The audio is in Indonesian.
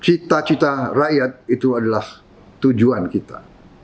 cita cita rakyat itu adalah tujuan kita